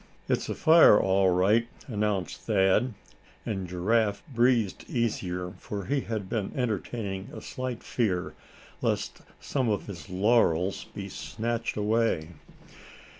"It's a fire, all right," announced Thad; and Giraffe breathed easier, for he had been entertaining a slight fear lest some of his laurels be snatched away.